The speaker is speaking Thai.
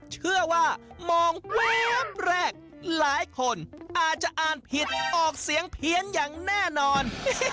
เชื่อว่ามองแวบแรกหลายคนอาจจะอ่านผิดออกเสียงเพี้ยนอย่างแน่นอน